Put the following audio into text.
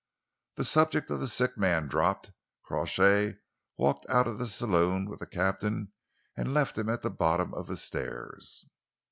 The subject of the sick man dropped. Crawshay walked out of the saloon with the captain and left him at the bottom of the stairs.